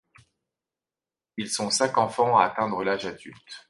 Ils sont cinq enfants à atteindre l'âge adulte.